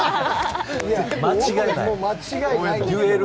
間違いない。